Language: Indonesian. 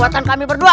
bukan kami berdua